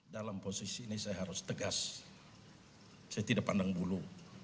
dalam posisi ini saya harus tegas saya tidak pandang bulu